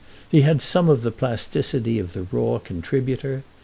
He had some of the plasticity of the raw contributor.